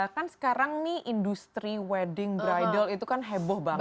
kan sekarang nih industri wedding bridle itu kan heboh banget